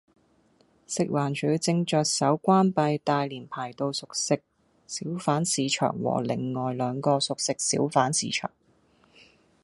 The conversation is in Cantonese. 食環署正着手關閉大連排道熟食小販市場和另外兩個熟食小販市場